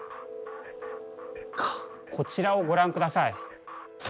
こちらをご覧ください。